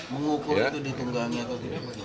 mengukur itu ditunggangi atau tidak bagaimana